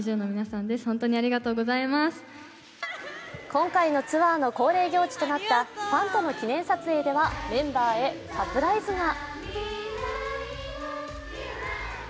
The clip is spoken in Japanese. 今回のツアーの恒例行事となったファンとの記念撮影ではメンバーへサプライズが。